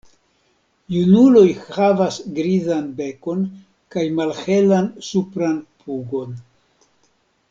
Junuloj havas grizan bekon kaj malhelan supran pugon.